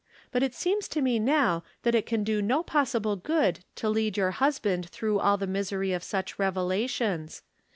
But it seems to me now that it can do no possible good to lead your husband through all the misery of such revelations.